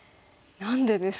何でですかね。